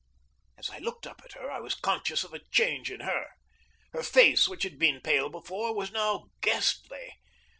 As I looked up at her I was conscious of a change in her. Her face, which had been pale before, was now ghastly.